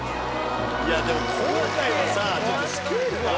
いやでも今回はさちょっとスケールが。